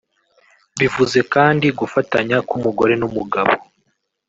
bivuze kandi gufatanya k’umugore n’umugabo